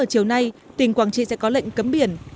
chiều nay tỉnh quảng trị sẽ có lệnh cấm biển